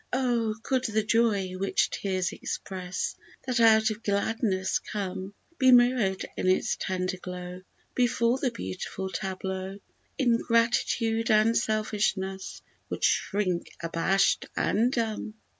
Oh, could the joy which tears express That out of gladness come Be mirrored in its tender glow, Before the beautiful tableau Ingratitude and selfishness Would shrink abashed and dumb!